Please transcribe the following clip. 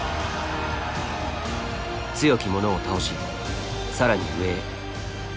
「強き者を倒し更に上へ」。